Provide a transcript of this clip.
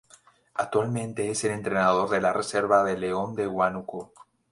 Actualmente es el entrenador de la reserva del León de Huánuco.